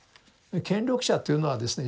権力者というのはですね